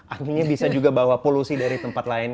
akhirnya bisa juga bawa polusi dari tempat lain